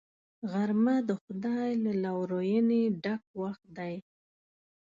غرمه د خدای له لورینې ډک وخت دی